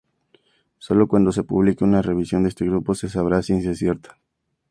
Sólo cuando se publique una revisión de este grupo se sabrá a ciencia cierta.